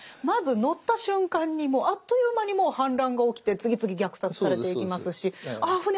まず乗った瞬間にもうあっという間にもう反乱が起きて次々虐殺されていきますしああ